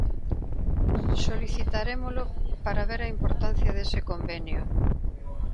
Solicitarémolo para ver a importancia dese convenio.